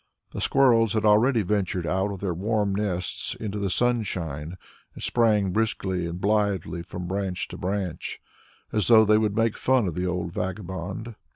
The squirrels had already ventured out of their warm nests into the sunshine and sprang briskly and blithely from branch to branch, as though they would make fun of the old vagabond.